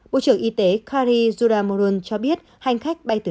bộ trưởng y tế karirurumurun cho biết hành khách bay từ